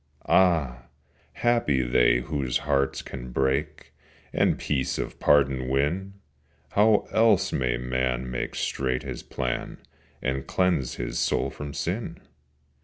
Ah! happy they whose hearts can break And peace of pardon win! How else may man make straight his plan And cleanse his soul from Sin?